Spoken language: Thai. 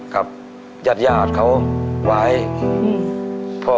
กับญาติญาติเขาหวายอืม